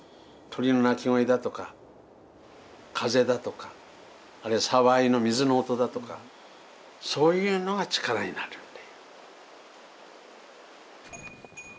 鳥の鳴き声だとか風だとかあるいは沢あいの水の音だとかそういうのが力になるんだよ。